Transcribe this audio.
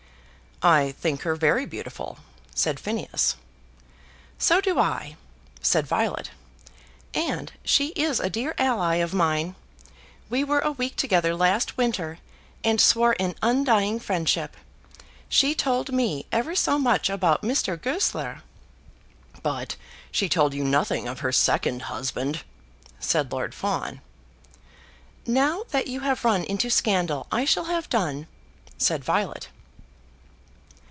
"I think her very beautiful," said Phineas. "So do I," said Violet. "And she is a dear ally of mine. We were a week together last winter, and swore an undying friendship. She told me ever so much about Mr. Goesler." "But she told you nothing of her second husband?" said Lord Fawn. "Now that you have run into scandal, I shall have done," said Violet.